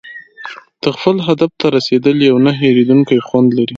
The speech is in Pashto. د خپل هدف ته رسېدل یو نه هېریدونکی خوند لري.